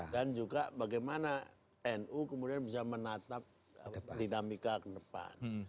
dan juga bagaimana nu kemudian bisa menatap dinamika ke depan